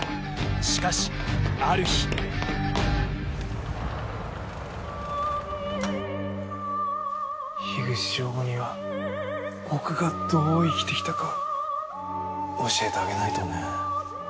しかしある日口彰吾には僕がどう生きて来たか教えてあげないとね。